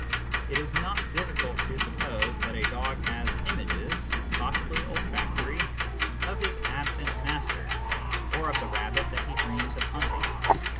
It is not difficult to suppose that a dog has images (possibly olfactory) of his absent master, or of the Tabbit that he dreams of hunting.